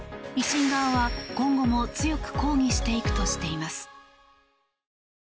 維新側は今後も強く抗議していくとしています。